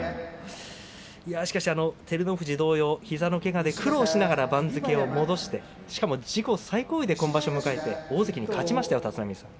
しかし照ノ富士同様膝のけがで苦労しながら番付を戻してしかも自己最高位で今場所を迎えて大関に勝ちましたよ。